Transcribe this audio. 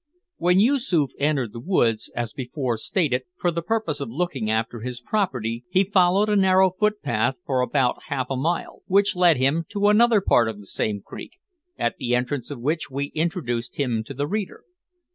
When Yoosoof entered the woods, as before stated, for the purpose of looking after his property, he followed a narrow footpath for about half a mile, which led him to another part of the same creek, at the entrance of which we introduced him to the reader.